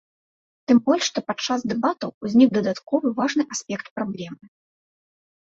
Тым больш, што падчас дэбатаў узнік дадатковы важны аспект праблемы.